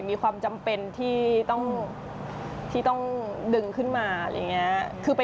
มีความจำเป็นที่ต้องดึงขึ้นมา